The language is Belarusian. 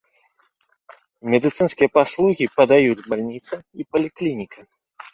Медыцынскія паслугі падаюць бальніца і паліклініка.